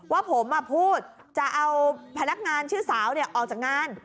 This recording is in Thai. ว่าผมพูดจะเอาพนักงานชื่อสาวออกจากงาน